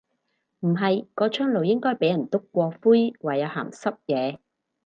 唔係，個窗爐應該俾人篤過灰話有鹹濕野。